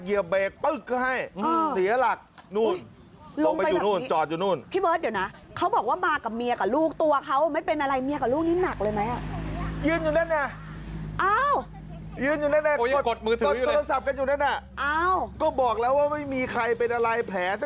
เห้ยไม่มีลองหลอยหน้าเนื้อไม่มีเลือดไม่มีอะไร